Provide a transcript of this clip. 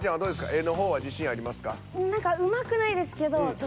絵の方は自信ありますか？